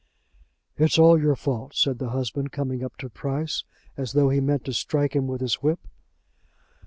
"It's all your fault," said the husband, coming up to Price as though he meant to strike him with his whip.